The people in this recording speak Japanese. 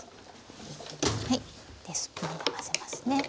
はいでスプーンで混ぜますね。